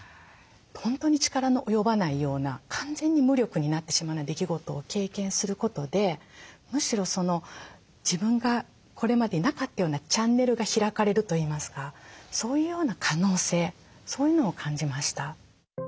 本当に力の及ばないような完全に無力になってしまうような出来事を経験することでむしろ自分がこれまでなかったようなチャンネルが開かれるといいますかそういうような可能性そういうのを感じました。